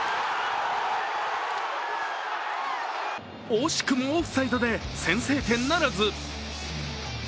惜しくもオフサイドで先制点ならず。